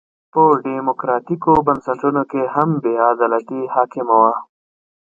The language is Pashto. په ډیموکراټیکو بنسټونو کې هم بې عدالتي حاکمه وه.